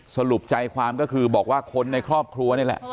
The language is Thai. สรุปใจความก็คือบอกว่าคนในครอบครัวนี่แหละ